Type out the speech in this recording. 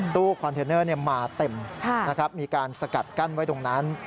ตู้คอนเทนเนอร์มาเต็มมีการสกัดกั้นไว้ตรงนั้น